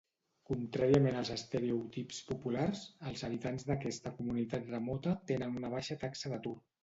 Contràriament als estereotips populars, els habitants d'aquesta comunitat remota tenen una baixa taxa d'atur.